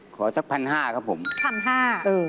ขอสัก๑๕๐๐บาทครับผมเออ๑๕๐๐บาทครับผม